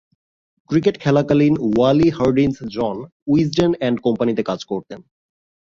Cricket খেলাকালীন Wally Hardinge John Wisden and কোম্পানিতে কাজ করতেন।